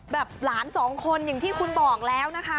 หลานสองคนอย่างที่คุณบอกแล้วนะคะ